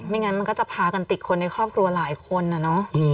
ไม่งั้นมันก็จะพากันติดคนในครอบครัวหลายคน